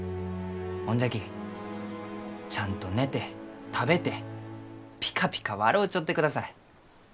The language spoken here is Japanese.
ほんじゃきちゃんと寝て食べてピカピカ笑うちょってください。